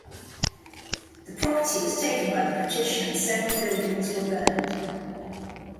The property was taken by the British and several buildings were burned.